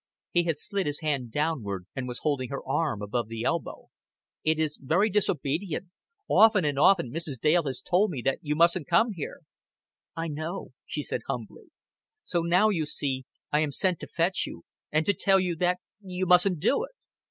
He had slid his hand downward, and was holding her arm above the elbow. "It is very disobedient. Often and often Mrs. Dale has told you that you mustn't come here." "I know," she said humbly. "So now, you see, I am sent to fetch you and to tell you that you mustn't do it."